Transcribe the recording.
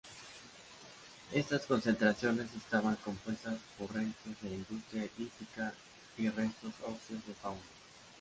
Estas concentraciones estaban compuestas por restos de industria lítica y restos óseos de fauna.